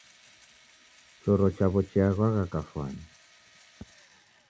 Choro chawo chiaghwagha kafwani.